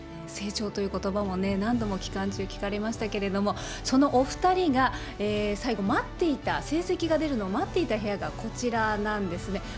成長ということばも何度も期間中、聞かれましたけれども、そのお２人が、最後、待っていた、成績が出るのを待っていた部屋がこちらなんですね。